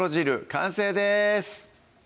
完成です